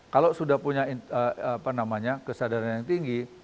kalau sudah punya kesadaran yang tinggi